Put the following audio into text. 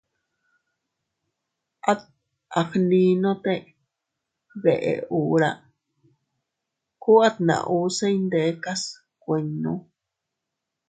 At a gndinote te deʼe hura, ku atna uu se iyndekas kuinnu.